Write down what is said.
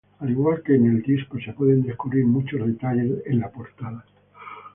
Al igual que en el disco se pueden descubrir muchos detalles en la portada".